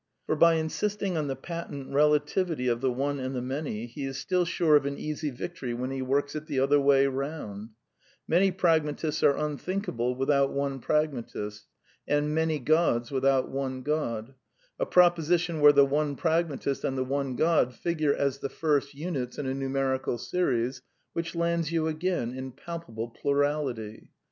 For by in sisting on the patent relativity of the one and the many, he is still sure of an easy victory when he works it the other way round: Many pragmatists are unthinkable without one pragmatist, and many gods without one god ; a proposition where the one pragmatist and the one god figure as the first units in a numerical series, which lands you again in palpable plurality.